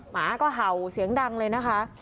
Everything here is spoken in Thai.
หมาก็เห่าเสียงดังเลยนะคะ